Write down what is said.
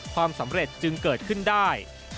ความสำเร็จจึงเกิดขึ้นได้